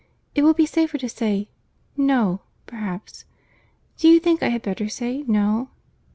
—It will be safer to say 'No,' perhaps.—Do you think I had better say 'No?